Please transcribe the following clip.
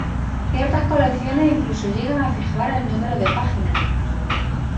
Ciertas colecciones incluso llegan a fijar el número de páginas.